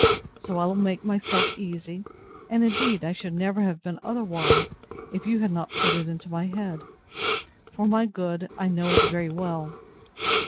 So I will make myself easy; and, indeed, I should never have been otherwise, if you had not put it into my head; for my good, I know very well.